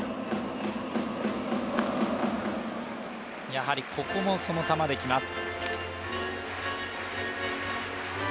やはりここもその球できます。